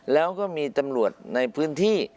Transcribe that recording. แล้วก็มีตำรวจในพื้นที่